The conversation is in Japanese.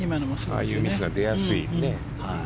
ああいうミスが出やすい。